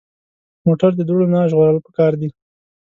موټر د دوړو نه ژغورل پکار دي.